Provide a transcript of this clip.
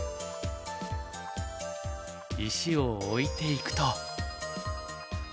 石を置いていくと。